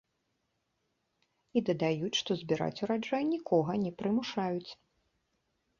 І дадаюць, што збіраць ураджай нікога не прымушаюць.